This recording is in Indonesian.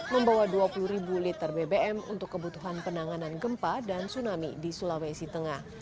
membawa dua puluh ribu liter bbm untuk kebutuhan penanganan gempa dan tsunami di sulawesi tengah